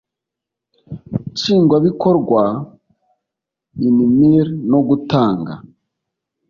nshingwabikorwa rwa inmr no gutanga